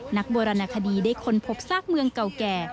นักโบราณคดีได้ค้นพบซากเมืองเก่าแก่